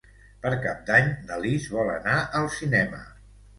Per Cap d'Any na Lis vol anar al cinema.